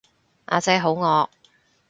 呀姐好惡